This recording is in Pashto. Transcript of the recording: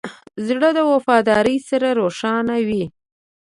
زړه د وفادارۍ سره روښانه وي.